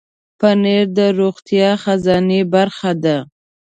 پنېر د روغتیا خزانې برخه ده.